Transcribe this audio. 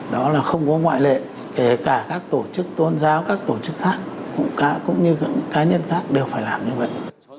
đó là không có ngoại lệ kể cả các tổ chức tôn giáo các tổ chức khác cũng như các cá nhân khác đều phải làm như vậy